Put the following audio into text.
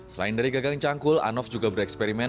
selain dari gagang canggul anulf juga bereksperimen